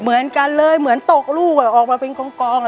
เหมือนกันเลยเหมือนตกลูกอ่ะออกมาเป็นกองกองอ่ะ